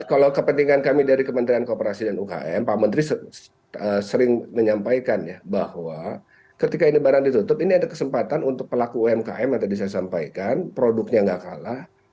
kalau kepentingan kami dari kementerian kooperasi dan ukm pak menteri sering menyampaikan ya bahwa ketika ini barang ditutup ini ada kesempatan untuk pelaku umkm yang tadi saya sampaikan produknya nggak kalah